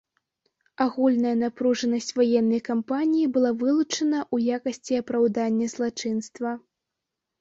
Агульная напружанасць ваеннай кампаніі была вылучана ў якасці апраўдання злачынства.